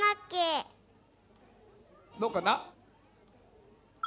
どうかな？